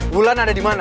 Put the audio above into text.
wulan ada dimana